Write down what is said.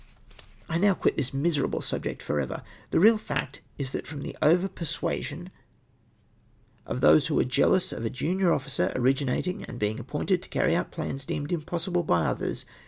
I now quit this miserable subject for ever. The real fact is, that from over persuasion of those who were jealous of a junior officer originating and being ap pointed to carry out plans deemed impossible by others.